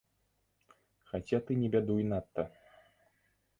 Хаця ты не бядуй надта!